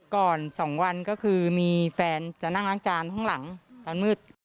๒วันก็คือมีแฟนจะนั่งล้างจานข้างหลังตอนมืด